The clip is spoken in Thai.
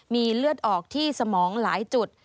มีเลือดออกที่สมองหลายจุด